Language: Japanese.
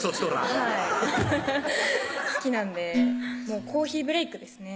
はい好きなんでコーヒーブレークですね